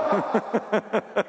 ハハハハ！